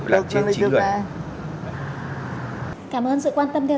xin kính chào tạm biệt và hẹn gặp lại